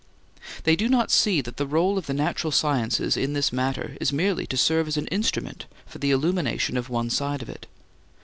They do not see that the role of the natural sciences in this matter is merely to serve as an instrument for the illumination of one side of it.